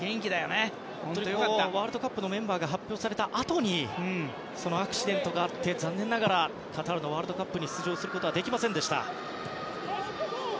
ワールドカップのメンバーが発表されたあとにアクシデントがあって残念ながらカタールワールドカップに出場することはできませんでした。